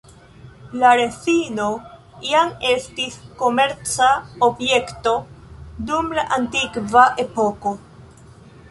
La rezino jam estis komerca objekto dum la Antikva epoko.